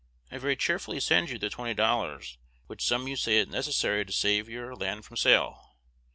I very cheerfully send you the twenty dollars, which sum you say is necessary to save your land from sale.